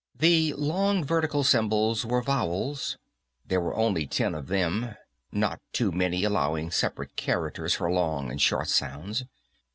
The long vertical symbols were vowels. There were only ten of them; not too many, allowing separate characters for long and short sounds.